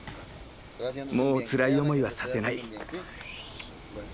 もうつらい思いはさせない。